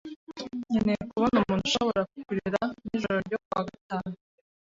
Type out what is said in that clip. Nkeneye kubona umuntu ushobora kurera nijoro ryo kuwa gatanu.